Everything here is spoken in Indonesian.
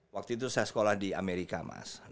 waktu itu saya sekolah di amerika mas